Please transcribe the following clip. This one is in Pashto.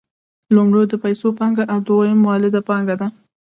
لومړی د پیسو پانګه او دویم مولده پانګه ده